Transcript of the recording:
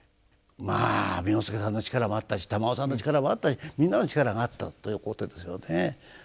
まあ簑助さんの力もあったし玉男さんの力もあったしみんなの力があったということですよね。